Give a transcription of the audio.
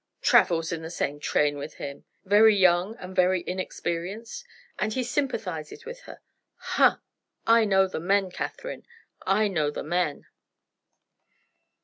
"Travels in the same train with him. Very young, and very inexperienced. And he sympathizes with her. Ha! I know the men, Catherine I know the men!"